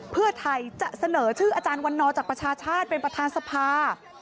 เพื่อไทยจะเสนอชื่ออาจารย์วันนอจากประชาชาติเป็นประธานสภา